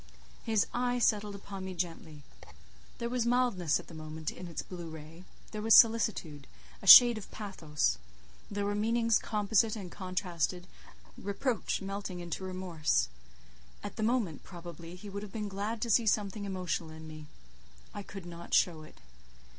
His eye settled upon me gently: there was mildness at the moment in its blue ray—there was solicitude—a shade of pathos; there were meanings composite and contrasted—reproach melting into remorse. At the moment probably, he would have been glad to see something emotional in me. I could not show it.